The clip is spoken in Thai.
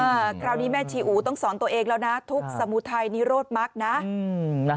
อ้าวคราวนี้แม่ชีอู๋ต้องสอนตัวเองแล้วนะทุกสมุทรไทยนี่โรศมักนะ